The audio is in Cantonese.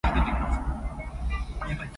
死開啲啦白痴仔